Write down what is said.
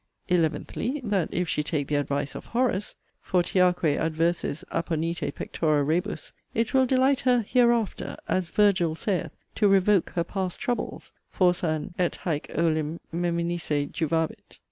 ELEVENTHLY, That if she take the advice of 'Horace,' 'Fortiaque adversis opponite pectora rebus,' it will delight her 'hereafter' (as 'Virgil' saith) to 'revoke her past troubles': ' Forsan & hæc olim meminisse juvabit.'